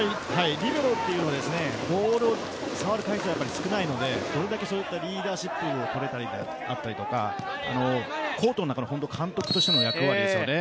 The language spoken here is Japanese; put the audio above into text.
リベロというのはボールを触る回数が少ないのでどれだけリーダーシップを取ればいいかとかがあったりとかコートの中の監督としての役割ですよね